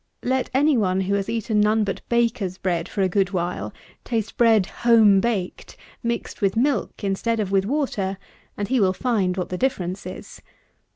Let any one who has eaten none but baker's bread for a good while, taste bread home baked, mixed with milk instead of with water; and he will find what the difference is.